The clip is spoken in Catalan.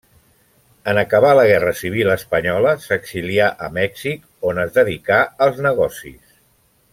En acabar la guerra civil espanyola s'exilià a Mèxic, on es dedicà als negocis.